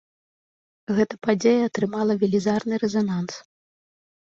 Гэта падзея атрымала велізарны рэзананс.